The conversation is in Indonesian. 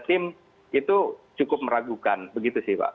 tim itu cukup meragukan begitu sih pak